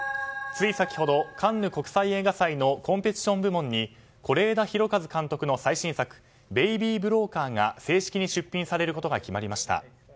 つい先ほどカンヌ国際映画祭のコンペティション部門に是枝裕和監督の最新作「ベイビー・ブローカー」が正式に出品されることが決まりました。